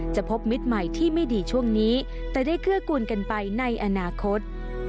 จะพบมิตรใหม่ที่ไม่ดีช่วงนี้แต่ได้เกื้อกูลกันไปในอนาคต